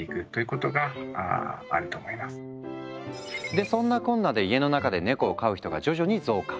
でそんなこんなで家の中でネコを飼う人が徐々に増加。